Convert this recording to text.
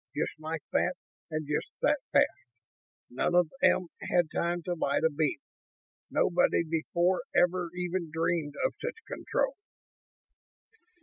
Just like that and just that fast. None of 'em had time to light a beam. Nobody before ever even dreamed of such control!"